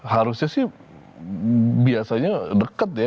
harusnya sih biasanya dekat ya